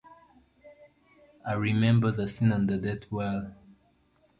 I remember the scene and the date well.